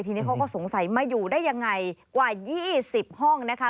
ทีนี้เขาก็สงสัยมาอยู่ได้ยังไงกว่า๒๐ห้องนะคะ